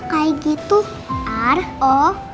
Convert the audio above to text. gue ga emang mau nyuruh